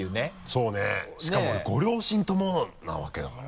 そうねしかもご両親ともなわけだからね。